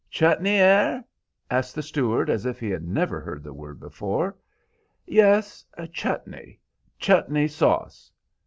"Chutney, air?" asked the steward, as if he had never heard the word before. "Yes, chutney. Chutney sauce."